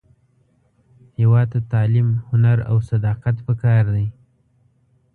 هیواد ته تعلیم، هنر، او صداقت پکار دی